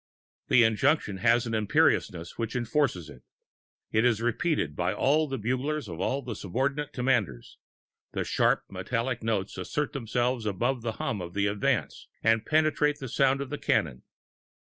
The injunction has an imperiousness which enforces it. It is repeated by all the bugles of all the subordinate commanders; the sharp metallic notes assert themselves above the hum of the advance, and penetrate the sound of the cannon.